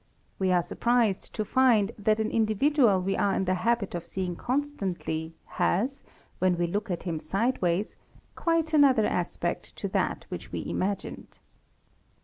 We are surprised to find that an individual we are in the habit of seeing constantly has, when we look at him sideways, quite another aspect to that which we imagined.